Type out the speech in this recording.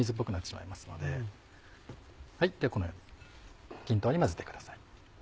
このように均等に混ぜてください。